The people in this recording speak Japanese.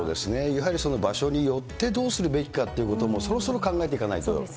やはり場所によってどうするべきかということも、そろそろ考えていかないと。